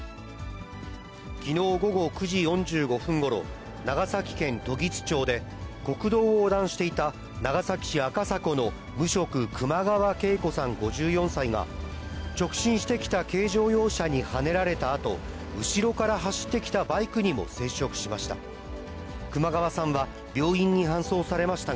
きのう午後９時４５分ごろ、長崎県時津町で、国道を横断していた長崎市赤迫の無職、熊川恵子さん５４歳が、直進してきた軽乗用車にはねられたあと、後ろから走ってきたバイクにも接触しました。